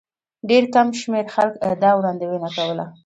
ډېر کم شمېر خلکو دا وړاندوینه کوله.